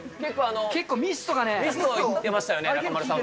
結構ミスト行ってましたよね、中丸さん。